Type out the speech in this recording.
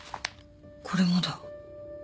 これもだ。